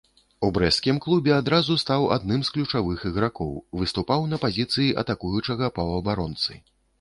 У брэсцкім клубе адразу стаў адным з ключавых ігракоў, выступаў на пазіцыі атакуючага паўабаронцы.